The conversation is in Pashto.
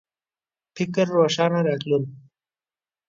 فکر روښانه راتلون